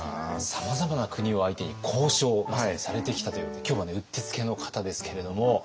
さまざまな国を相手に交渉をまさにされてきたということで今日はねうってつけの方ですけれども。